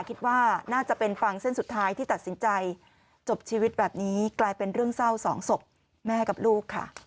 คิดว่าน่าจะเป็นฟังเส้นสุดท้ายที่ตัดสินใจจบชีวิตแบบนี้กลายเป็นเรื่องเศร้าสองศพแม่กับลูกค่ะ